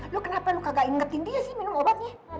lu kenapa lu kagak ingetin dia sih minum obatnya